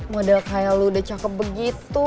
model kayak lu udah cakep begitu